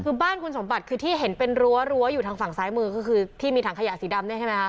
คือบ้านคุณสมบัติคือที่เห็นเป็นรั้วอยู่ทางฝั่งซ้ายมือก็คือที่มีถังขยะสีดำเนี่ยใช่ไหมคะ